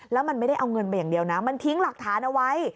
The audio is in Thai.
แล้วมันไม่ได้เอาเงินไปอย่างเดียวนะมันทิ้งหลักฐานเอาไว้